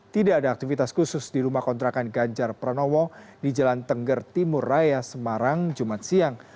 tidak ada aktivitas khusus di rumah kontrakan ganjar pranowo di jalan tengger timur raya semarang jumat siang